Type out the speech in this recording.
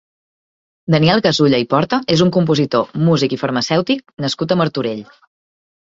Daniel Gasulla i Porta és un compositor, músic i farmacèutic nascut a Martorell.